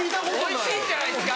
おいしいんじゃないですか。